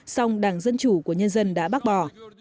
song đảng dân chủ của nhân dân đã bác bỏ